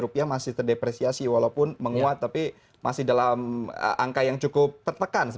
rupiah masih terdepresiasi walaupun menguat tapi masih dalam angka yang cukup tertekan